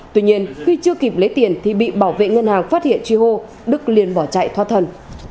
tuy nhiên khi chưa kịp lấy tiền thì bị bảo vệ ngân hàng phát hiện truy hô đức liên bỏ chạy thoát thần